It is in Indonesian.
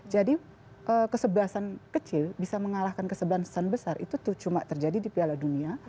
jadi kesebelasan kecil bisa mengalahkan kesebelasan besar itu tuh cuma terjadi di piala dunia